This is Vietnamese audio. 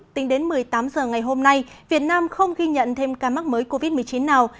tính đến một mươi tám h ngày hôm nay việt nam không ghi nhận thêm ca mắc mới covid một mươi chín nào